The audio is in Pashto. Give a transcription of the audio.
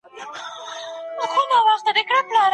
أسماء خپلو پلار ته راغله.